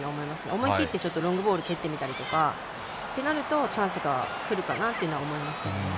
思い切ってロングボールを蹴ってみたりとかってなるとチャンスがくるかなってのは思いますけどね。